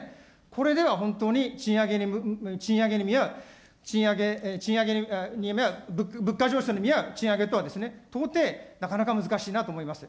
これでは本当に賃上げに見合う、賃上げに見合う、物価上昇に見合う賃上げ等に、到底、なかなか難しいなと思います。